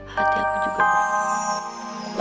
hati aku juga berhenti